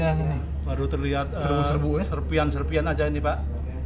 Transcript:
terlihat serbu serbu yang baru terlihat serbu serbu serpian serpian aja ini pak